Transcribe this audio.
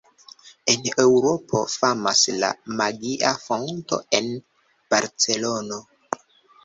En Eŭropo famas la Magia Fonto en Barcelono.